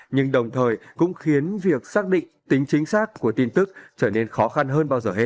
nhưng đồng thời cũng khiến việc sáng tạo